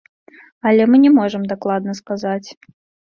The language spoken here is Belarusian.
Але мы не можам дакладна сказаць.